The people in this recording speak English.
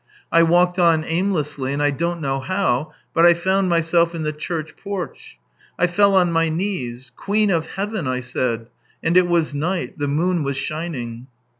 ... I walked on aimlessly, and I don't know how, but I found myself in the church porch. I fell on my knees: ' Queen of Heaven !' I said. And it was night, the moon was shining.